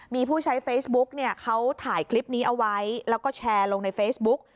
มีผู้ใช้เฟซบุ๊กเนี่ยเขาถ่ายคลิปนี้เอาไว้แล้วก็แชร์ลงในเฟซบุ๊ก